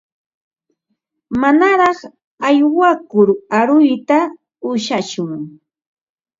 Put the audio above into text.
Manaraq aywakur aruyta ushashun.